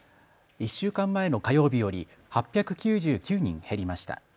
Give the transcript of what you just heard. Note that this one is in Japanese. １週間前の火曜日より８９９人減りました。